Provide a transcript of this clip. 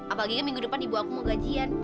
apalagi minggu depan ibu aku mau gajian